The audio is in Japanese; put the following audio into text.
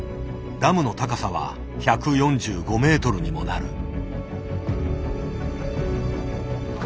ダムの高さは１４５ｍにもなる。